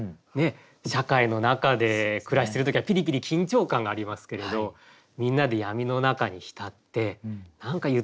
社会の中で暮らしてる時はピリピリ緊張感がありますけれどみんなで闇の中に浸って何かゆったりした気分になって。